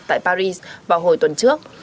tại paris vào hồi tuần trước